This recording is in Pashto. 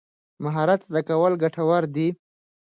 مهارت زده کول ګټور دي.